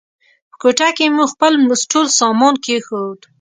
په کوټه کې مو خپل ټول سامان کېښود.